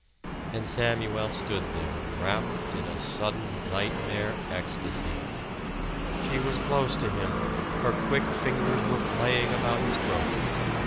And Samuel stood there, rapt in a sudden nightmare ecstasy. She was close to him, her quick fingers were playing about his throat.